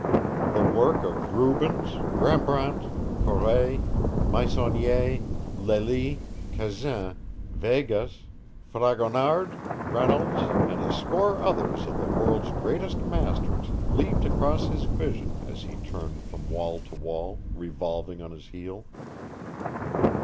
The work of Rubens, Rembrandt, Coret, Meissonier, Lely, Cazzin, Vegas, Fragonard, Reynolds and a score others of the world's greatest masters leaped across his vision as he turned from wall to wall, revolving on his heel.